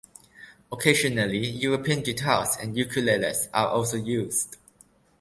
Occasionally, European guitars and ukuleles are also used.